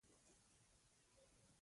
رښتینی دوستي په صداقت ولاړه وي.